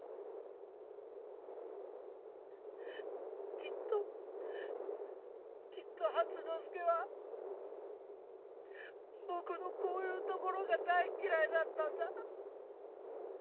きっときっと初之助は僕のこういうところが大嫌いだったんだ。